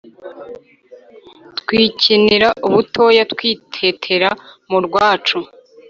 twikinira ubutoya twitetera mu rwacu